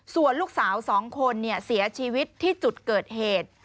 ส่วนลูกสาว๒คนเสียชีวิตที่จุดเกิดเหตุ